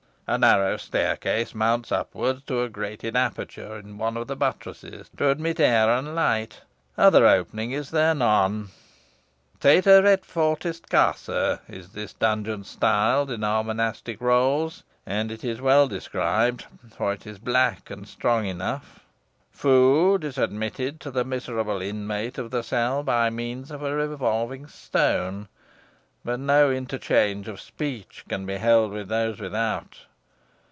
A narrow staircase mounts upwards to a grated aperture in one of the buttresses to admit air and light. Other opening is there none. 'Teter et fortis carcer' is this dungeon styled in our monastic rolls, and it is well described, for it is black and strong enough. Food is admitted to the miserable inmate of the cell by means of a revolving stone, but no interchange of speech can be held with those without.